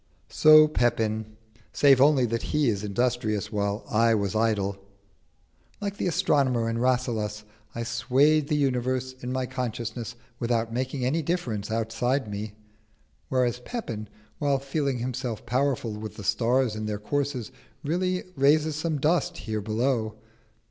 So Pepin; save only that he is industrious while I was idle. Like the astronomer in Rasselas, I swayed the universe in my consciousness without making any difference outside me; whereas Pepin, while feeling himself powerful with the stars in their courses, really raises some dust here below.